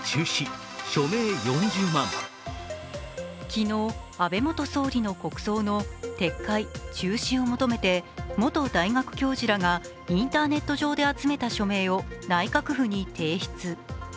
昨日、安倍元総理の国葬の撤回・中止を求めて元大学教授らがインターネット上で集めた署名を内閣府に提出。